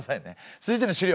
続いての資料